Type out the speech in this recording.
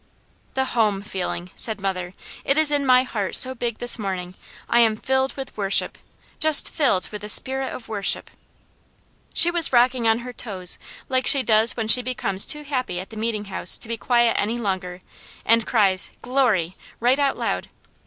"The Home Feeling!" said mother. "It is in my heart so big this morning I am filled with worship. Just filled with the spirit of worship." She was rocking on her toes like she does when she becomes too happy at the Meeting House to be quiet any longer, and cries, "Glory!" right out loud.